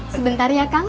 sebentar ya kang